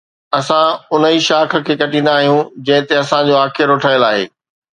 اسان ان ئي شاخ کي ڪٽيندا آهيون جنهن تي اسان جو آکيرو ٺهيل آهي.